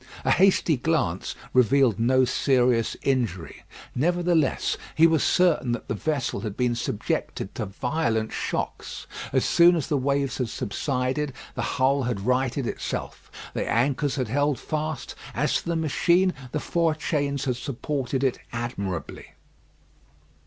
A hasty glance revealed no serious injury. Nevertheless, he was certain that the vessel had been subjected to violent shocks. As soon as the waves had subsided, the hull had righted itself; the anchors had held fast; as to the machine, the four chains had supported it admirably.